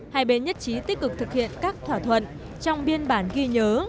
hai bên nhất trí tích cực thực hiện các thỏa thuận trong biên bản ghi nhớ